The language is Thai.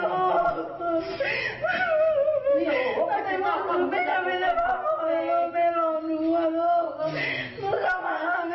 หนูก็มาหาแม่ต่อไป